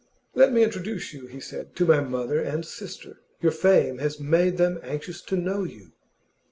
'Let me introduce you,' he said, 'to my mother and sister. Your fame has made them anxious to know you.